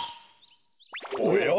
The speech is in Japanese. おや？